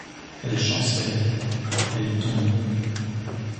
Elle chancelle… elle tombe…